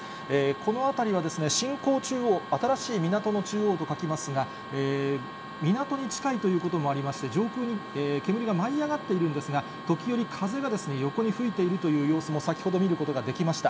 この辺りは新港中央、新しい港の中央と書きますが、港に近いということもありまして、上空に煙が舞い上がっているんですが、時折、風が横に吹いているという様子も先ほど見ることができました。